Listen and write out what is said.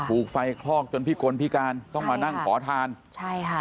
ถูกไฟคลอกจนพิกลพิการต้องมานั่งขอทานใช่ค่ะ